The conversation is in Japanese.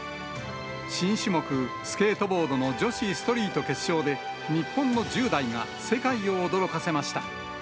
新種目、スケートボードの女子ストリート決勝で、日本の１０代が世界を驚かせました。